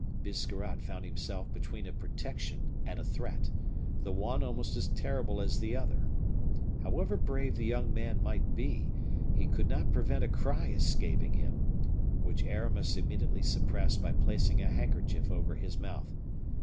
Biscarrat found himself between a protection and a threat, the one almost as terrible as the other. However brave the young man might be, he could not prevent a cry escaping him, which Aramis immediately suppressed by placing a handkerchief over his mouth.